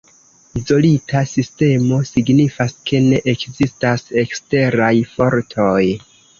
Izolita sistemo, signifas, ke ne ekzistas eksteraj fortoj.